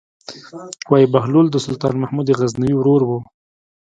وايي بهلول د سلطان محمود غزنوي ورور و.